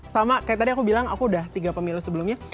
sama kayak tadi aku bilang aku udah tiga pemilu sebelumnya